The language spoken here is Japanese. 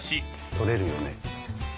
取れるよね？